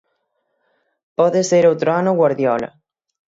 Pode ser outro ano Guardiola.